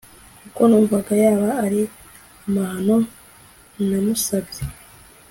kuko numvaga yaba ari amahano namusabye